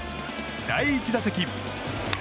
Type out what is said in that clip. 第１打席。